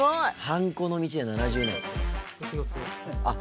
ハンコの道で７０年。